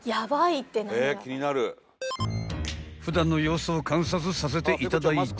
［普段の様子を観察させていただいた］